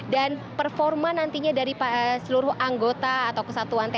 dan performa nantinya dari seluruh anggota atau kesatuan tni